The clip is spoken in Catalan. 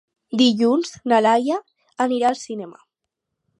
Dilluns na Laia anirà al cinema.